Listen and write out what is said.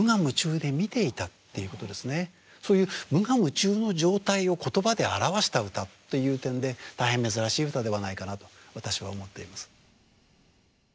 そういう無我夢中の状態を言葉で表した歌という点で大変珍しい歌ではないかなと私は思っています。